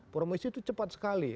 promosi itu cepat sekali